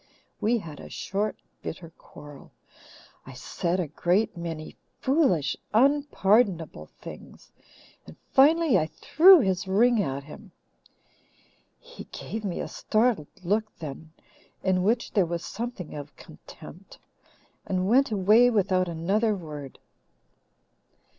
We had a short, bitter quarrel. I said a great many foolish, unpardonable things, and finally I threw his ring at him. He gave me a startled look then, in which there was something of contempt, and went away without another word.